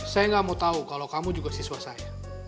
saya nggak mau tahu kalau kamu juga siswa saya